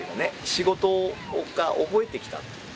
仕事を覚えてきた。